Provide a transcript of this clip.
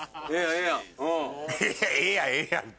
「ええやんええやん」って。